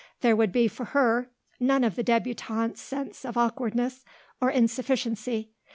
There would be for her none of the débutante's sense of awkwardness or insufficiency.